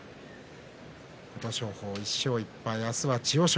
琴勝峰は１勝１敗明日は千代翔